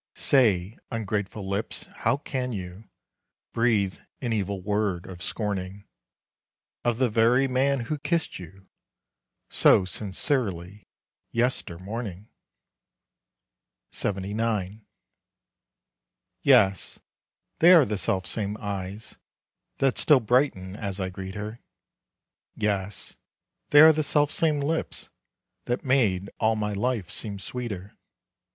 Say, ungrateful lips, how can you Breathe an evil word of scorning, Of the very man who kissed you So sincerely, yestermorning? LXXIX. Yes, they are the self same eyes That still brighten as I greet her, Yes, they are the self same lips That made all my life seem sweeter.